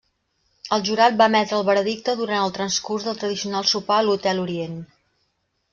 El jurat va emetre el veredicte durant el transcurs del tradicional sopar a l'Hotel Orient.